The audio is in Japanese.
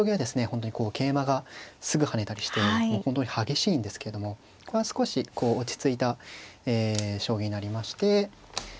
本当にこう桂馬がすぐ跳ねたりして本当に激しいんですけれどもこれは少し落ち着いた将棋になりまして。